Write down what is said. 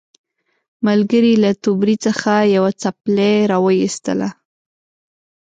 ملګري یې له توبرې څخه یوه څپلۍ راوایستله.